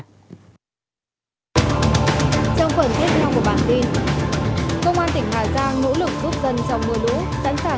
trong phần tiếp theo của bản tin